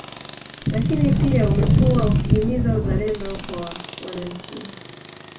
Lakini pia umekuwa ukihimiza uzalendo kwa wananchi